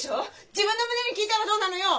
自分の胸に聞いたらどうなのよ！